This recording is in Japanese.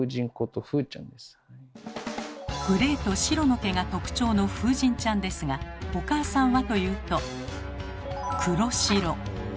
グレーと白の毛が特徴の風神ちゃんですがお母さんはというと黒白。